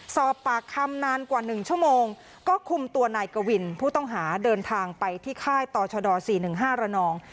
สอบปากคำนานกว่า๑ชั่วโมงก็คุมตัวนายกวินผู้ต้องหาเดินทางไปที่ค่ายต่อชด๔๑๕ระนอง